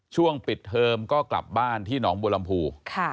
ช่วงปิดเทิมก็กลับบ้านที่น้องบูรรมภู